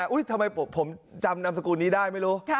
ทำไมผมจำนามสกุลนี้ได้ไม่รู้